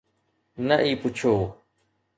نه ئي پڇيو